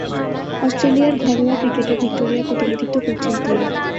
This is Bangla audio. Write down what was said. অস্ট্রেলিয়ার ঘরোয়া ক্রিকেটে ভিক্টোরিয়ার প্রতিনিধিত্ব করছেন তিনি।